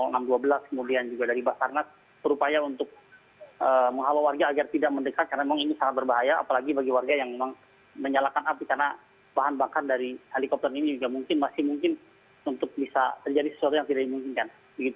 kemudian juga dari basarnas berupaya untuk menghalau warga agar tidak mendekat karena memang ini sangat berbahaya apalagi bagi warga yang memang menyalakan api karena bahan bakar dari helikopter ini juga mungkin masih mungkin untuk bisa terjadi sesuatu yang tidak dimungkinkan